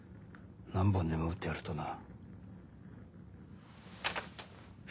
何本でも打ってやるとな。